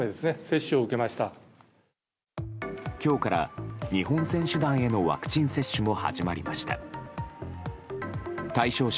今日から日本選手団へのワクチン接種も始まりました。